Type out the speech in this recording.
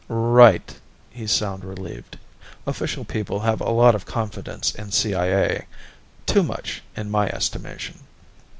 "Right." He sounded relieved. Official people have a lot of confidence in CIA; too much, in my estimation.